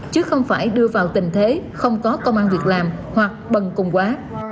chứ không phải đưa vào tình thế không có công an việc làm hoặc bần cùng quá